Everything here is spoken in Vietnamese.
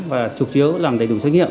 và trục chiếu làm đầy đủ xét nghiệm